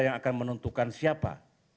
yang akan menentukan siapa